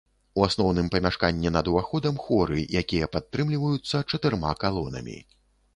У асноўным памяшканні над уваходам хоры, якія падтрымліваюцца чатырма калонамі.